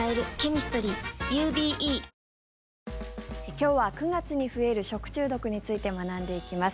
今日は９月に増える食中毒について学んでいきます。